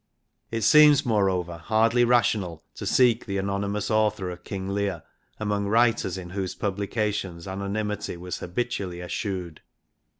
It seems, moreover, hardly rational to seek the anonymous author of King Leir among writers in whose publications anonymity was habitually eschewed.